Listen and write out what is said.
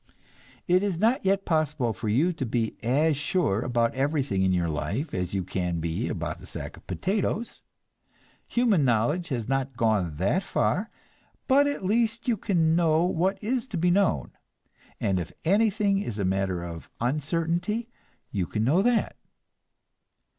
It is not yet possible for you to be as sure about everything in your life as you can be about a sack of potatoes; human knowledge has not got that far; but at least you can know what is to be known, and if anything is a matter of uncertainty, you can know that.